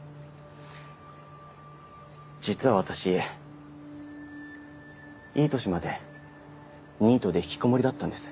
実は私いい年までニートで引きこもりだったんです。